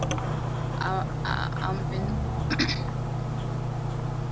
ampendaye mwenzake ameitimiza sheria Maana kule kusema Usizini Usiue Usiibe Usitamani na ikiwapo amri